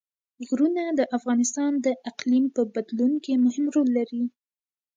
غرونه د افغانستان د اقلیم په بدلون کې مهم رول لري.